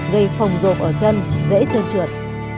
gây phồng rộp ở chân dễ trơn trượt